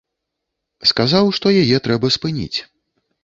Сказаў, што яе трэба спыніць.